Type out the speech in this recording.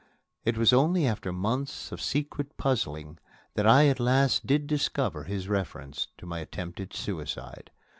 It was only after months of secret puzzling that I at last did discover his reference to my attempted suicide.